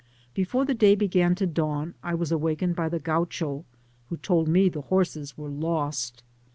Before the day began to dawn I was awakened by the Gkiucho, who told me the horses were lost.